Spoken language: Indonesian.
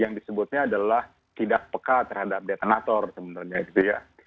yang disebutnya adalah tidak peka terhadap detenator sebenarnya gitu ya